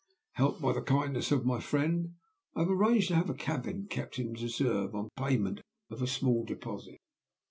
"Helped by the kindness of my friend, I have arranged to have a cabin kept in reserve, on payment of a small deposit.